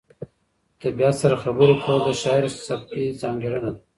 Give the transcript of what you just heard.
د طبیعت سره خبرې کول د شاعر سبکي ځانګړنه ده.